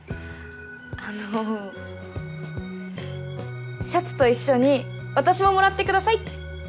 あのシャツと一緒に私ももらってください！